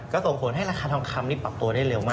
ก็ส่งผลให้ราคาทองคำนี่ปรับตัวได้เร็วมาก